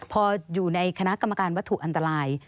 พออยู่ในคณะกรรมการวัตถุอันตราย